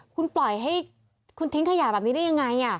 คุณปล่อยให้คุณทิ้งขยะแบบนี้ได้ยังไง